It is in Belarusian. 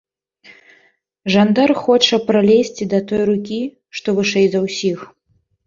Жандар хоча пралезці да той рукі, што вышэй за ўсіх.